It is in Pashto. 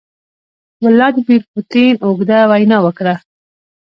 ولادیمیر پوتین اوږده وینا وکړه.